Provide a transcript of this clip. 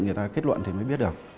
người ta kết luận thì mới biết được